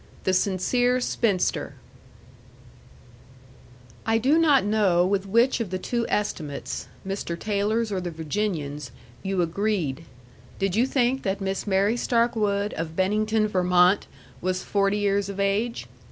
THE SINCERE SPINSTER I do not know with which of the two estimates Mr. Taylor's or the Virginian's you agreed. Did you think that Miss Mary Stark Wood of Bennington, Vermont, was forty years of age?